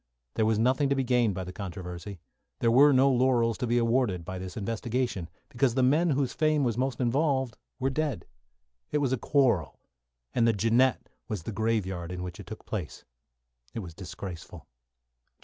There was nothing to be gained by the controversy. There were no laurels to be awarded by this investigation, because the men whose fame was most involved were dead. It was a quarrel, and the "Jeannette" was the graveyard in which it took place. It was disgraceful.